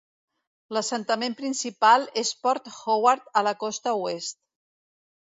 L'assentament principal és Port Howard a la costa oest.